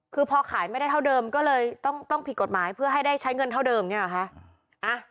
คือพอขายไม่ได้เท่าเดิมก็เลยต้องผิดกฎหมายเพื่อให้ได้ใช้เงินเท่าเดิมอย่างนี้หรอคะ